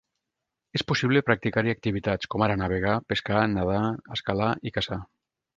És possible practicar-hi activitats, com ara navegar, pescar, nedar, escalar i caçar.